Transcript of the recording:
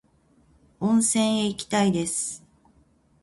温泉旅行へ行きたいです